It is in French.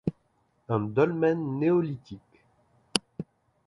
Un dolmen néolithique.